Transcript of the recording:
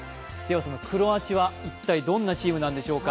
そのクロアチアは一体どんなチームなんでしょうか。